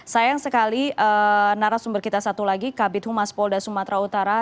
sayang sekali narasumber kita satu lagi kabit humas polda sumatera utara